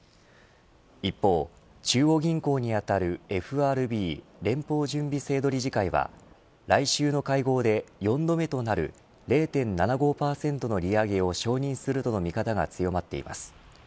一方、中央銀行にあたるＦＲＢ連邦準備制度理事会は来週の会合で４度目となる０．７５％の利上げを承認するとの見方が強まっています。